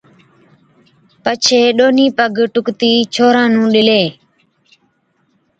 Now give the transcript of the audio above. پڇي ڏونهِين پگ ٽُڪتِي ڇوهران نُون ڏِلَي،